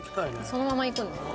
そのままいくんですね。